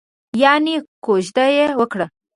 یانې کوژده یې وکړه؟